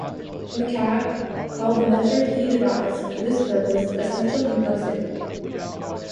McCabe called the measure he devised for this purpose essential complexity.